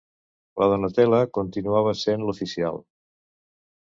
La Donatella continuava sent l'oficial...